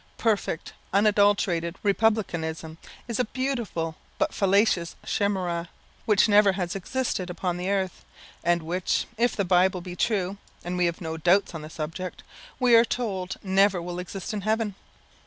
Perfect, unadulterated republicanism, is a beautiful but fallacious chimera which never has existed upon the earth, and which, if the Bible be true, (and we have no doubts on the subject,) we are told never will exist in heaven.